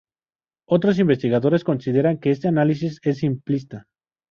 Otros investigadores consideran que este análisis es simplista.